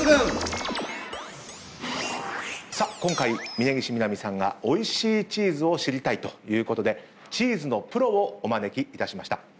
今回峯岸みなみさんがおいしいチーズを知りたいということでチーズのプロをお招きいたしました。